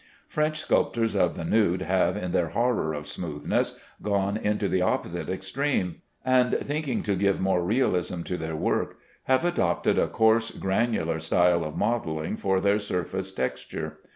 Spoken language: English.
French sculptors of the nude have, in their horror of smoothness, gone into the opposite extreme; and, thinking to give more realism to their work, have adopted a coarse granular style of modelling for their surface texture.